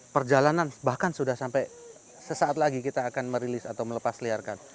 perjalanan bahkan sudah sampai sesaat lagi kita akan merilis atau melepas liarkan